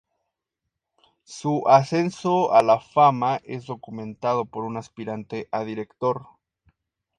Su ascenso a la fama es documentado por un aspirante a director.